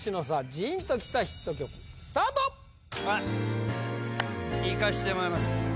ジーンときたヒット曲スタートいかせてもらいます